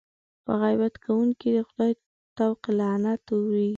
په غیبت کوونکي د خدای طوق لعنت اورېږي.